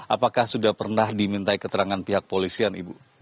apakah sudah pernah dimintai keterangan pihak kepolisian